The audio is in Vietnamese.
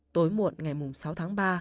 tối muộn ngày sáu tháng ba